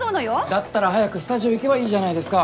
だったら早くスタジオ行けばいいじゃないですか。